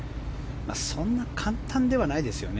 そんな簡単ではないですよね。